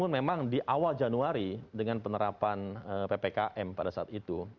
memang di awal januari dengan penerapan ppkm pada saat itu